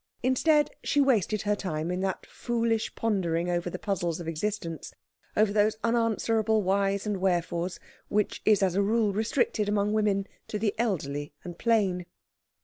Instead, she wasted her time in that foolish pondering over the puzzles of existence, over those unanswerable whys and wherefores, which is as a rule restricted, among women, to the elderly and plain.